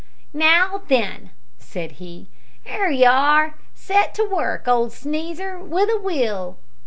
"Now then," said he, "'ere you are! Set to work, old Sneezer, with a will!"